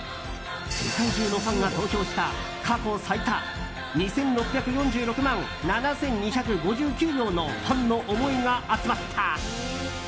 世界中のファンが投票した過去最多２６４６万７２５９票のファンの思いが集まった。